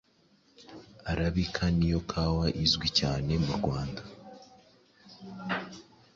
Arabika ni yo kawa izwi cyane mu Rwanda